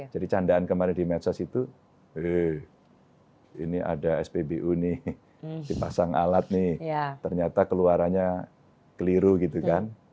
candaan kemarin di medsos itu ini ada spbu nih dipasang alat nih ternyata keluarannya keliru gitu kan